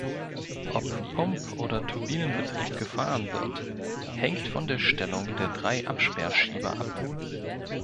Ob Pump- oder Turbinenbetrieb gefahren wird, hängt von der Stellung der drei Absperr-Schieber ab.